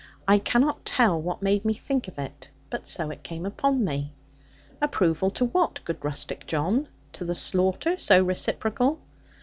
I cannot tell what made me think of this: but so it came upon me. 'Approval to what, good rustic John? To the slaughter so reciprocal?'